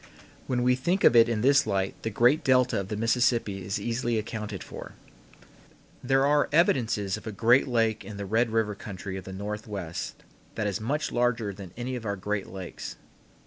When we think of it in this light the great delta of the Mississippi is easily accounted for. There are evidences of a great lake in the Red River country of the Northwest that is much larger than any of our greatest lakes.